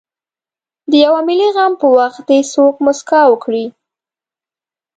د یوه ملي غم په وخت دې څوک مسکا وکړي.